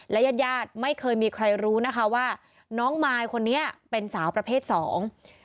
ญาติญาติไม่เคยมีใครรู้นะคะว่าน้องมายคนนี้เป็นสาวประเภทสอง